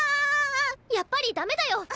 やっぱりダメだよ！